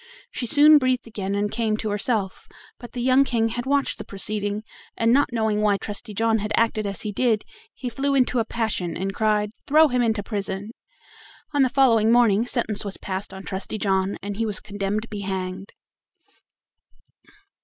She soon breathed again and came to herself; but the young King had watched the proceeding, and not knowing why Trusty John had acted as he did, he flew into a passion, and cried: "Throw him into prison." On the following morning sentence was passed on Trusty John, and he was condemned to be hanged.